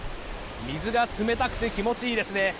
水が冷たくて気持ちいいですね。